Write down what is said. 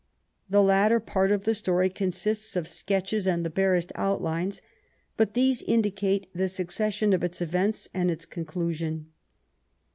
The latter part of the story consists of sketches and the barest outlines ; but these indicate the success sion of its events and its conclusion.